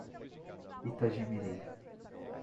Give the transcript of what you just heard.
Itagimirim